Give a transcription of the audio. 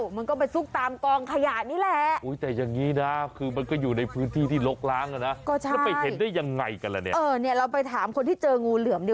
เออช่วงนี้ก็หลบไหน